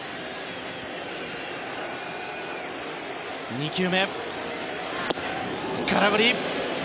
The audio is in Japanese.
２球目、空振り。